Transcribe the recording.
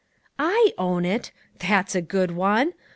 "I own it! That's a good one!